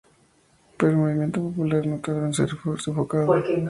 Pero el movimiento popular no tardó en ser sofocado.